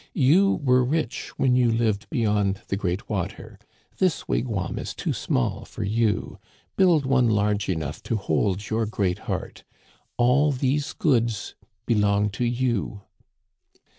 You were rich when you lived beyond the great water. This wig wam is too small for you ; build one large enough to hold your great heart. All these goods belong to you.'